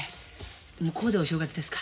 向こうでお正月ですか。